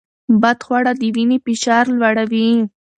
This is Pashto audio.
بدخواړه د وینې فشار لوړوي.